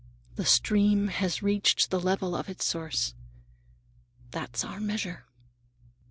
The stream has reached the level of its source. That's our measure."